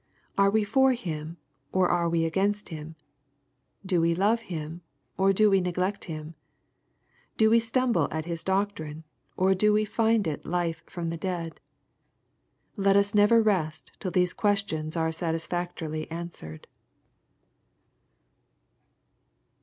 Are we for Him, or are we against Him ? Do we bve Him, or do we neglect Him ? Do we stumble at His doctrine, or do we find it life from the dead ? Let us never rest till these questions are satisfactorily answered.